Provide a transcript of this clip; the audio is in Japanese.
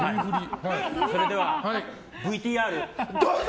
それではＶＴＲどうぞ！